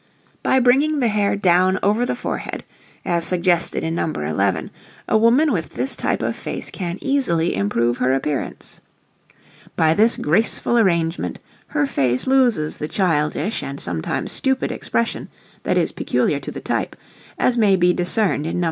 11] By bringing the hair down over the forehead, as suggested in No. 11, a woman with this type of face can easily improve her appearance. By this graceful arrangement her face loses the childish and sometimes stupid expression that is peculiar to the type, as may be discerned in No.